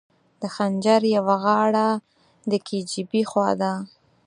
د خنجر یوه غاړه د کي جي بي خوا وه.